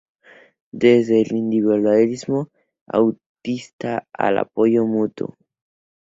Desde el individualismo autista al apoyo mutuo.